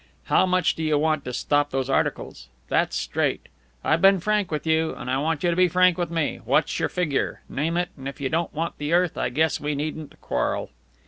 How much do you want to stop those articles? That's straight. I've been frank with you, and I want you to be frank with me. What's your figure? Name it, and if you don't want the earth I guess we needn't quarrel."